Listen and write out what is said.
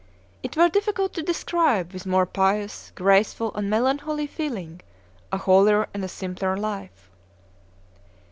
It were difficult to describe with more pious, graceful, and melancholy feeling a holier and a simpler life.